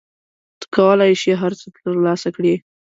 ته کولای شې هر څه ترلاسه کړې.